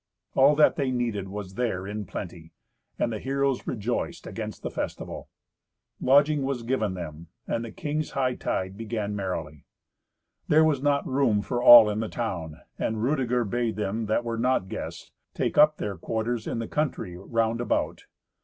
All that they needed was there in plenty, and the heroes rejoiced against the festival. Lodging was given them, and the king's hightide began merrily. There was not room for all in the town, and Rudeger bade them that were not guests take up their quarters in the country round about.